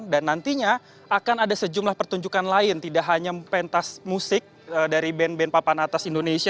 dan nantinya akan ada sejumlah pertunjukan lain tidak hanya pentas musik dari band band papan atas indonesia